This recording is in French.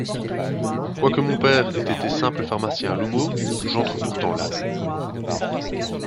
Quoique mon père ait été simple pharmacien à l’Houmeau, j’entre pourtant là...